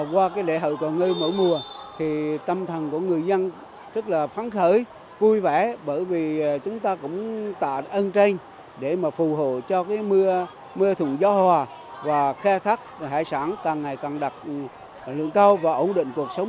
qua lễ hội ngư mỗi mùa tâm thần của người dân rất là phán khởi vui vẻ bởi vì chúng ta cũng tạo ân tranh để phù hộ cho mưa thùng gió hòa và khe thắt hải sản càng ngày càng đạt lượng cao và ổn định cuộc sống